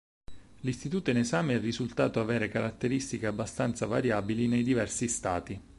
L'istituto in esame è risultato avere caratteristiche abbastanza variabili nei diversi stati.